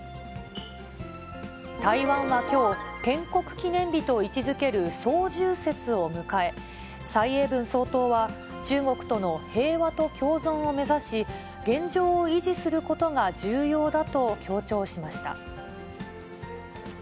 台湾はきょう、建国記念日と位置づける双十節を迎え、蔡英文総統は中国との平和と共存を目指し、現状を維持することが重要だと強調しました。